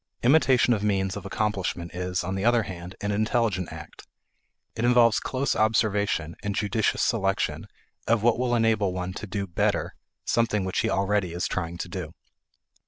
Imitation of means of accomplishment is, on the other hand, an intelligent act. It involves close observation, and judicious selection of what will enable one to do better something which he already is trying to do.